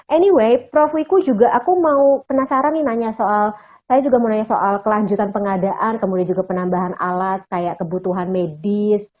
anyway prof wiku juga aku mau penasaran nih nanya soal saya juga mau nanya soal kelanjutan pengadaan kemudian juga penambahan alat kayak kebutuhan medis